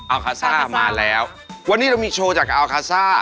อาวุฆาซ่าณมาแล้ววันนี้เรามีโชว์จากอาวุฆาซ่า